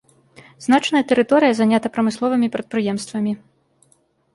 Значная тэрыторыя занята прамысловымі прадпрыемствамі.